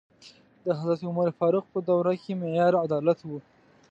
د حضرت عمر فاروق په دوره کې معیار عدالت و.